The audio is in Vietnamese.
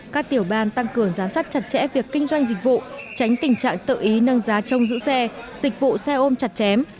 các tiểu ban tăng cường giám sát chặt chẽ việc kinh doanh dịch vụ tránh tình trạng tự ý nâng giá trong giữ xe dịch vụ xe ôm chặt chém